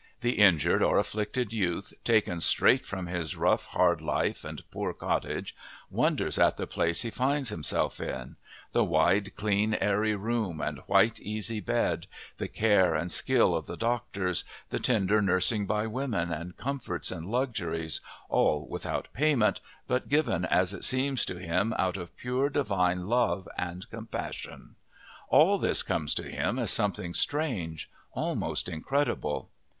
The injured or afflicted youth, taken straight from his rough, hard life and poor cottage, wonders at the place he finds himself in the wide, clean, airy room and white, easy bed, the care and skill of the doctors, the tender nursing by women, and comforts and luxuries, all without payment, but given as it seems to him out of pure divine love and compassion all this comes to him as something strange, almost incredible.